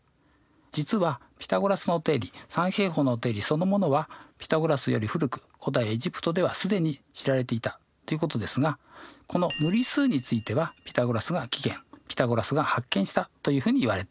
実はピタゴラスの定理三平方の定理そのものはピタゴラスより古く古代エジプトでは既に知られていたということですがこの無理数についてはピタゴラスが起源ピタゴラスが発見したというふうにいわれています。